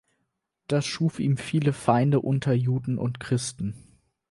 Das schuf ihm viele Feinde unter Juden und Christen.